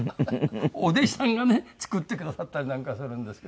お弟子さんがね作ってくださったりなんかするんですけど。